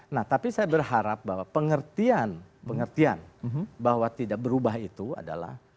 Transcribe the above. nah tapi saya berharap bahwa pengertian pengertian bahwa tidak berubah itu adalah